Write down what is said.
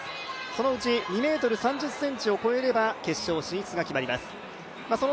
そのうち２ｍ３０ｃｍを超えれば決勝進出が決まります。